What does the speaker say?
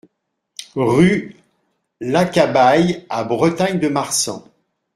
Rue Lacabaille à Bretagne-de-Marsan